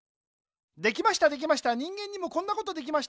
できましたできました人間にもこんなことできました。